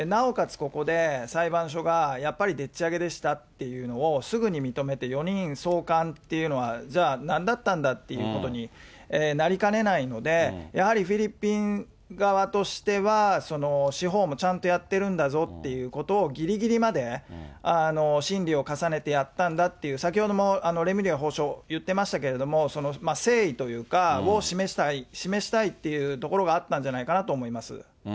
ここで裁判所がやっぱりでっち上げでしたっていうのをすぐに認めて４人送還っていうのは、じゃあ何だったんだっていうことになりかねないので、やはりフィリピン側としては、司法もちゃんとやってるんだぞということを、ぎりぎりまで審理を重ねてやったんだっていう、先ほどもレムリヤ法相言ってましたけれども、誠意というか、を示したいっていうところがあったんじゃないかなと思います。